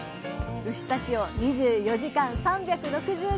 牛たちを２４時間３６５日